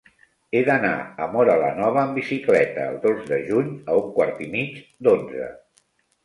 He d'anar a Móra la Nova amb bicicleta el dos de juny a un quart i mig d'onze.